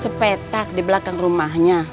sepetak di belakang rumahnya